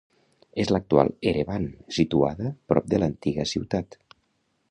És l'actual Erevan, situada prop de l'antiga ciutat.